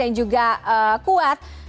yang juga kuat